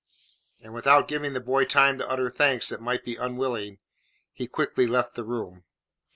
And without giving the boy time to utter thanks that might be unwilling, he quickly left the room.